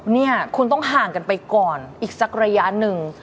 เนี่ยคุณต้องห่างกันไปก่อนอีกสักระยะหนึ่ง